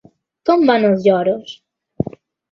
¿Com van els lloros?